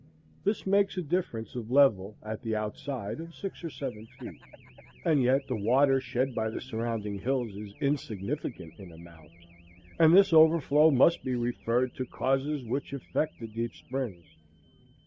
This makes a difference of level, at the outside, of six or seven feet; and yet the water shed by the surrounding hills is insignificant in amount, and this overflow must be referred to causes which affect the deep springs.